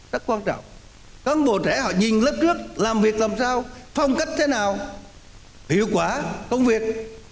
các cán bộ trẻ họ nhìn lớp trước làm việc làm sao phong cách thế nào hiệu quả công việc